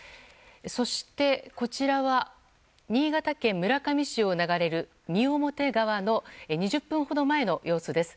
そしてこちらは新潟県村上市を流れる三面川の２０分ほど前の様子です。